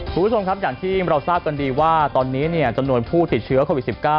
สวัสดีครับอย่างที่เราทราบกันดีว่าตอนนี้เนี่ยจนโนยนผู้ติดเชื้อโควิด๑๙